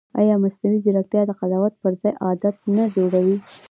ایا مصنوعي ځیرکتیا د قضاوت پر ځای عادت نه جوړوي؟